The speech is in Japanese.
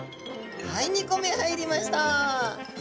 はい２個目入りました。